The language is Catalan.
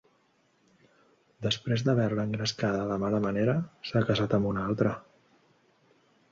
Després d'haver-la engrescada de mala manera s'ha casat amb una altra.